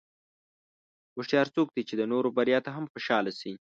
هوښیار څوک دی چې د نورو بریا ته هم خوشاله شي.